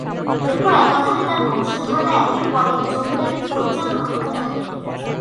এরপর একাধারে তার বংশধররা একের পর এক জমিদারী পরিচালনা করতে থাকেন।